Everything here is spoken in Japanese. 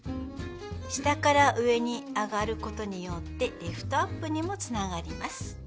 下から上に上がることによってリフトアップにもつながります。